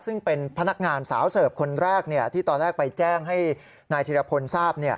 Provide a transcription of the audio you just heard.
ซึ่งเป็นพนักงานสาวเสิร์ฟคนแรกที่ตอนแรกไปแจ้งให้นายธิรพลทราบ